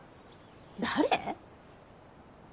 誰？